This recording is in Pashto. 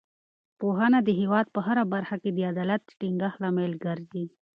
پوهنه د هېواد په هره برخه کې د عدالت د ټینګښت لامل ګرځي.